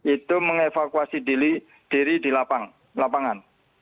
itu mengevakuasi diri di lapangan